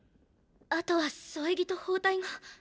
後は添え木と包帯が。